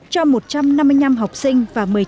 cho một trăm năm mươi năm học sinh và một mươi trường